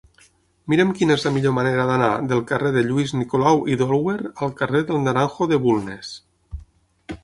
Mira'm quina és la millor manera d'anar del carrer de Lluís Nicolau i d'Olwer al carrer del Naranjo de Bulnes.